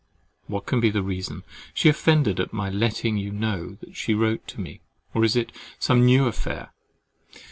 What can be the reason? Is she offended at my letting you know she wrote to me, or is it some new affair?